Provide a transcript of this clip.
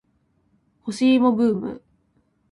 干し芋ブーム